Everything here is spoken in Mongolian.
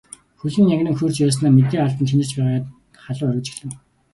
Хөл нь янгинан хөрч байснаа мэдээ алдан чинэрч байгаад халуу оргиж эхлэв.